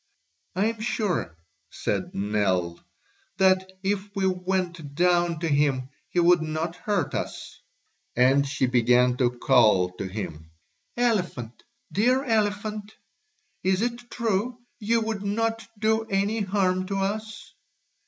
"I am sure," said Nell, "that if we went down to him he would not hurt us." And she began to call to him: "Elephant, dear elephant, isn't it true you would not do any harm to us?"